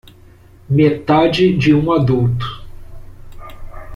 Metade de um adulto